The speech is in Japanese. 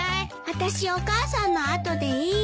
私お母さんの後でいい。